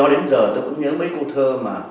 bây giờ tôi cũng nhớ mấy câu thơ mà